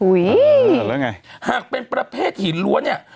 แล้วไงหากเป็นประเภทหินล้วนเนี่ย